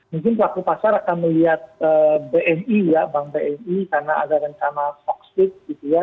mungkin pelaku pasar akan melihat bni ya bank bni karena ada rencana fox feet gitu ya